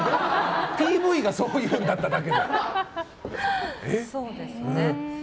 ＰＶがそういうのだっただけで。